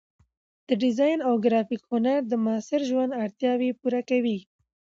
د ډیزاین او ګرافیک هنر د معاصر ژوند اړتیاوې پوره کوي.